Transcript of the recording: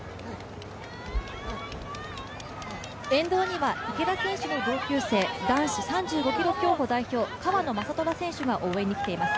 沿道には池田選手の同級生男子３５ｋｍ競歩代表川野将虎選手が応援に来ています。